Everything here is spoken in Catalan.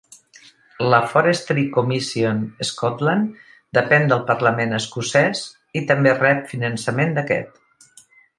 La Forestry Commission Scotland depèn del parlament escocès, i també rep finançament d'aquest.